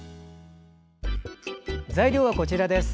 材料はこちらです。